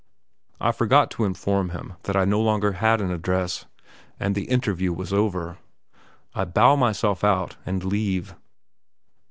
I forgot to inform him that I no longer had an address, and the interview is over. I bow myself out, and leave.